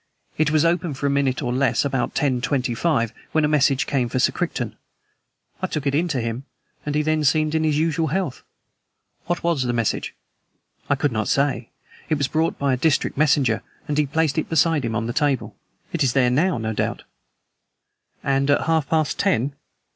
It was open for a minute or less about ten twenty five, when a message came for Sir Crichton. I took it in to him, and he then seemed in his usual health." "What was the message?" "I could not say. It was brought by a district messenger, and he placed it beside him on the table. It is there now, no doubt." "And at half past ten?"